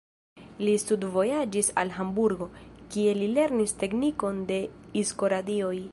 Li studvojaĝis al Hamburgo, kie li lernis teknikon de Ikso-radioj.